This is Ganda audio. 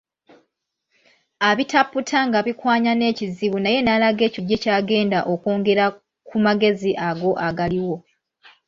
Abitaputa ng’abikwanya n’ekizibu naye n’alaga ekyo ye ky’agenda okwongera ku magezi ago agaliwo.